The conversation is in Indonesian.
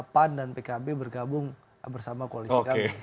pan dan pkb bergabung bersama koalisi kami